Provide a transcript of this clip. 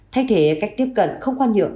thay thế cách tiếp cận không quan nhượng